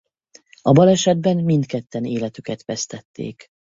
A balesetben mindketten életüket vesztették.